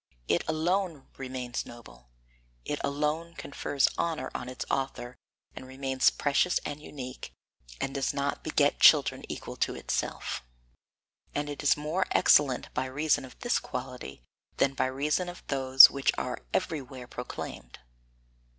It alone remains noble, it alone confers honour on its author and remains precious and unique, and does not beget children equal to itself. And it is more excellent by reason of this quality than by reason of those which are everywhere proclaimed.